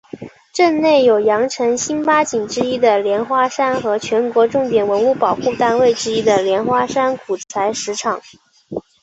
镇内有羊城新八景之一的莲花山和全国重点文物保护单位之一的莲花山古采石场。